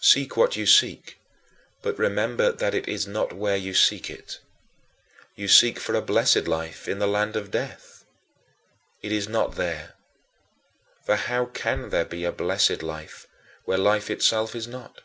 Seek what you seek; but remember that it is not where you seek it. You seek for a blessed life in the land of death. It is not there. For how can there be a blessed life where life itself is not?"